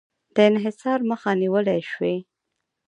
د انحصار مخه نیول شوې؟